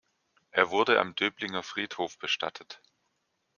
Er wurde am Döblinger Friedhof bestattet.